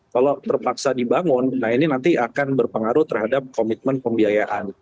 kalau terpaksa dibangun nah ini nanti akan berpengaruh terhadap komitmen pembiayaan